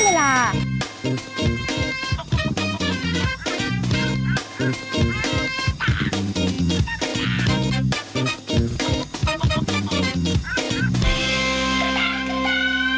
เพิ่มเวลา